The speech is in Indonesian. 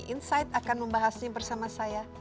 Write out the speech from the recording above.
insight akan membahasnya bersama saya